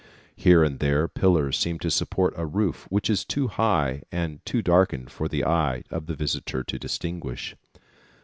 Here and there pillars seem to support a roof which is too high and too darkened for the eye of the visitor to distinguish.